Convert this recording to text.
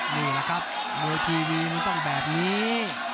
นี่แหละครับมวยทีวีมันต้องแบบนี้